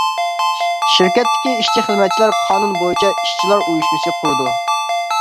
شىركەتتىكى ئىشچى-خىزمەتچىلەر قانۇن بويىچە ئىشچىلار ئۇيۇشمىسى قۇرىدۇ.